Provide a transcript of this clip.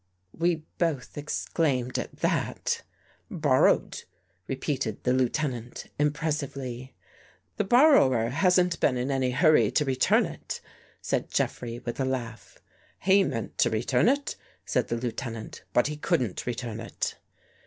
We both exclaimed at that. " Borrowed," repeated the Lieutenant, impres sively. " The borrower hasn't been in any hurry to return it," said Jeffrey with a laugh. " He meant to return it," said the Lieutenant, " but he couldn't return it."